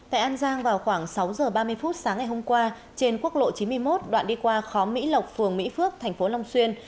tại an giang vào khoảng sáu giờ ba mươi phút sáng ngày hôm qua trên quốc lộ chín mươi một đoạn đi qua khó mỹ lộc phường mỹ phước thành phố long xuyên